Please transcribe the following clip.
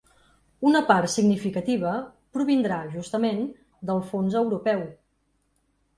Una part significativa provindrà, justament, del fons europeu.